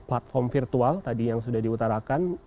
platform virtual tadi yang sudah diutarakan